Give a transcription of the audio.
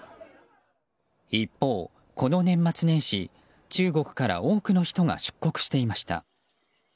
一方、この年末年始中国から多くの人が出国していました。